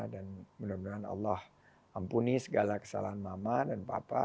dan mudah mudahan allah ampuni segala kesalahan mama dan papa